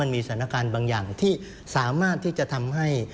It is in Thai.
มีสถานการณ์บางอย่างที่สามารถที่จะทำให้